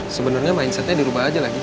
sebenarnya mindsetnya dirubah aja lagi